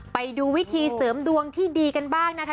ไปดูวิธีเสริมดวงที่ดีกันบ้างนะคะ